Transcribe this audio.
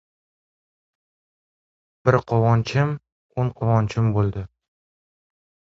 Bir quvonchim o‘n quvonch bo‘ldi!